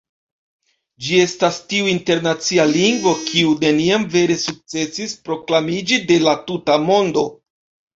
Ĝi estas tiu internacia lingvo, kiu neniam vere sukcesis proklamiĝi de la tuta mondo.